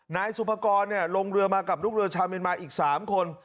นายสุภกรลงเรือมากับลูกเรือชาวเมียนมาอีก๓คน